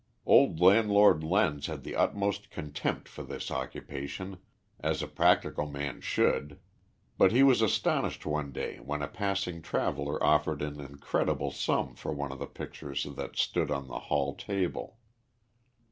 Old Landlord Lenz had the utmost contempt for this occupation, as a practical man should, but he was astonished one day when a passing traveller offered an incredible sum for one of the pictures that stood on the hall table.